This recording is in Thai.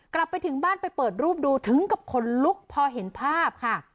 กลับไปถึงบ้านไปเปิดรูปดูถึงกับขนลุกพอเห็นภาพค่ะ